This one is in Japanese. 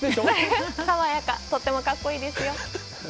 とってもかっこいいですよ。